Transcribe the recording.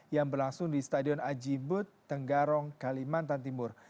yang berlangsung di stadion aji imbut tenggarong kalimantan timur